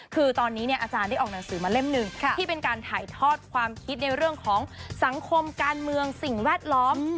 คือตอนนี้เนี่ยอาจารย์ได้ออกหนังสือมาเล่มหนึ่งที่เป็นการถ่ายทอดความคิดในเรื่องของสังคมการเมืองสิ่งแวดล้อม